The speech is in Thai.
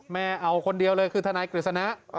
แม่เอาคนเดียวเลยคือทนายกฤษณะ